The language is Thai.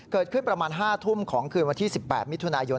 เกิดขึ้นประมาณ๕ทุ่มของคืนวันที่๑๘มิถุนายน